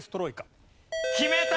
決めた！